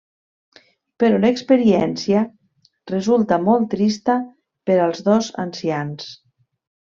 Però l'experiència resulta molt trista per als dos ancians.